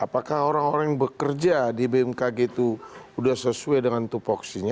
apakah orang orang yang bekerja di bmkg itu sudah sesuai dengan tupoksinya